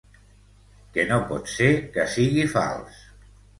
Que no pot ser que sigui fals.